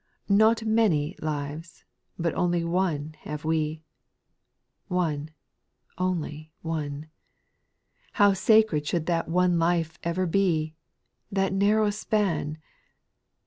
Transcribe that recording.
2. Not many lives, but only one have we, — One, only one ;— How sacred should that one life over be !— That narrow span